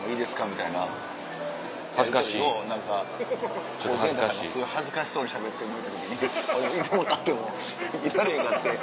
みたいなやりとりを何か恥ずかしそうにしゃべってるの見て俺居ても立ってもいられへんかって。